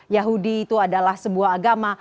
yahudi itu adalah sebuah agama